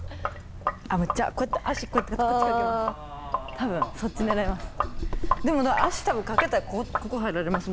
多分、そっち狙います。